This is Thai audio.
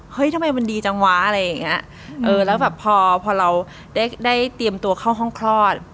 เฮ้ยทำไมมันดีจังวะอะไรอย่างนี้แล้วแบบพอเราได้เตรียมตัวเข้าห้องคลอด